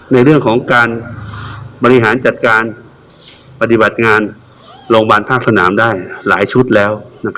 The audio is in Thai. ในเรื่องของการบริหารจัดการปฏิบัติงานโรงพยาบาลภาคสนามได้หลายชุดแล้ว